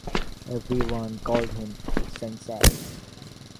Everyone called him "sensei".